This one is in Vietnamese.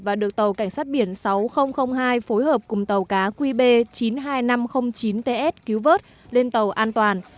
và được tàu cảnh sát biển sáu nghìn hai phối hợp cùng tàu cá qb chín mươi hai nghìn năm trăm linh chín ts cứu vớt lên tàu an toàn